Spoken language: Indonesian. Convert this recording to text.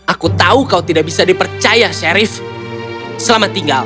aku tahu kau tidak bisa dipercaya sherif selamat tinggal